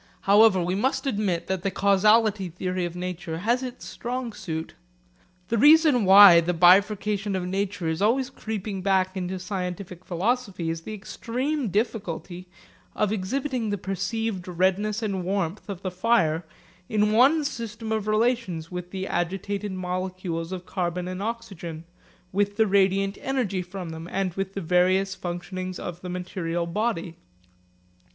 However, we must admit that the causality theory of nature has its strong suit. The reason why the bifurcation of nature is always creeping back into scientific philosophy is the extreme difficulty of exhibiting the perceived redness and warmth of the fire in one system of relations with the agitated molecules of carbon and oxygen, with the radiant energy from them, and with the various functionings of the material body.